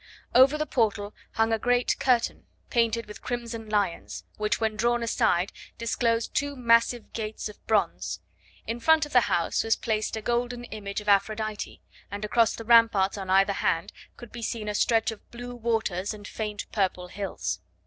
Over the portal hung a great curtain, painted with crimson lions, which, when drawn aside, disclosed two massive gates of bronze; in front of the house was placed a golden image of Aphrodite, and across the ramparts on either hand could be seen a stretch of blue waters and faint purple hills.